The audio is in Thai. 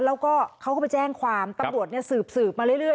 แล้วก็เขาก็ไปแจ้งความตำรวจสืบมาเรื่อย